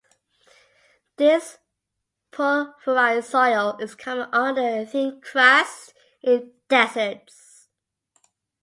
This pulverized soil is common under a thin crust in deserts.